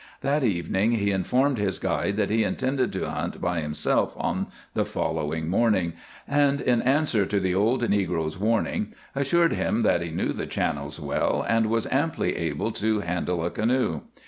That evening he informed his guide that he intended to hunt by himself on the following morning, and in answer to the old negro's warning assured him that he knew the channels well and was amply able to handle a canoe.